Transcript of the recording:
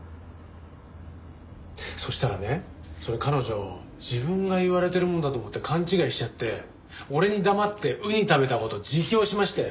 そしたらねそれ彼女自分が言われてるものだと思って勘違いしちゃって俺に黙ってウニ食べた事自供しましたよ。